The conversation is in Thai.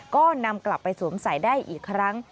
ก็นำกลับไปสวมใส่ได้อีกครั้ง